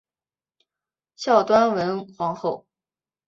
孝端文皇后。